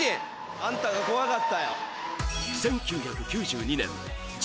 あんたが怖かったよ。